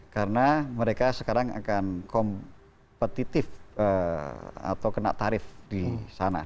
karena mereka sekarang akan kompetitif atau kena tarif di sana